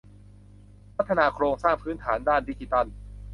พัฒนาโครงสร้างพื้นฐานด้านดิจิทัล